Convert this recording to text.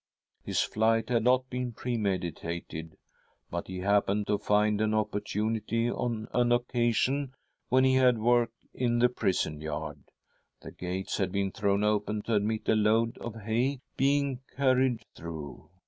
His flight had not been pre meditated, but he happened to find an opportunity on an occasion when he had work in the prison yard — the gates had been thrown open to admit a load of hay being carried through.